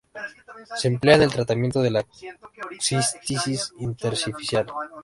Se emplea en el tratamiento de la cistitis intersticial.